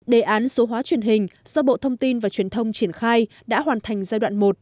đề án số hóa truyền hình do bộ thông tin và truyền thông triển khai đã hoàn thành giai đoạn một